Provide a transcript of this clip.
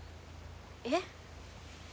えっ。